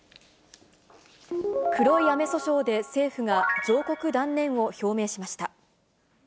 黒い雨訴訟で政府が、上告断念を表明しました。